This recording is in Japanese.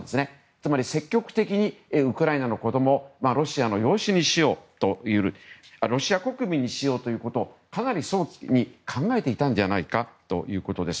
つまり、積極的にウクライナの子供をロシアの養子にしようロシア国民にしようというのをかなり早期に考えていたんじゃないかということです。